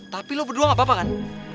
tapi lo berdua gak apa apa kan